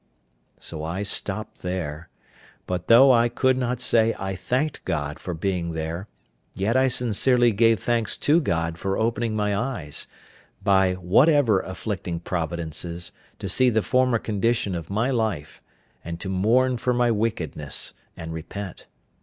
So I stopped there; but though I could not say I thanked God for being there, yet I sincerely gave thanks to God for opening my eyes, by whatever afflicting providences, to see the former condition of my life, and to mourn for my wickedness, and repent.